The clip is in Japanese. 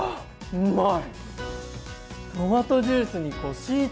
うまい！